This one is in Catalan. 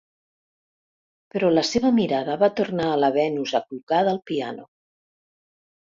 Però la seva mirada va tornar a la Venus Aclucada al piano.